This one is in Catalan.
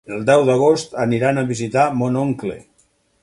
El deu d'agost aniran a visitar mon oncle.